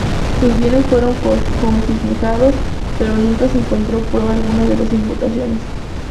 Sus bienes fueron confiscados, pero nunca se encontró prueba alguna de las imputaciones.